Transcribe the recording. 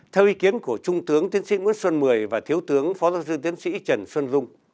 theo ý kiến của trung tướng tiến sĩ nguyễn xuân mười và thiếu tướng phó giáo sư tiến sĩ trần xuân dung